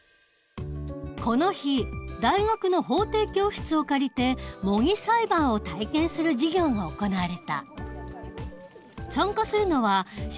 この日大学の法廷教室を借りて模擬裁判を体験する授業が行われた。